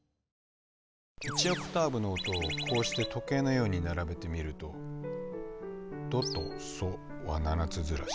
１オクターブの音をこうして時計のように並べてみると「ド」と「ソ」は７つずらし。